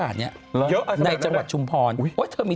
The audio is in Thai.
เดี๋ยวดึกกลับมา